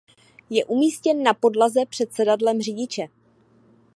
Je umístěn na podlaze před sedadlem řidiče.